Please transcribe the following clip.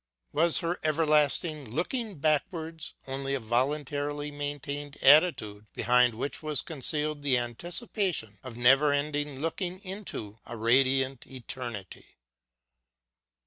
Was her everlasting looking backwards only a voluntarily maintained attitude behind which was concealed the anticipation of never ending looking into a radiant eternity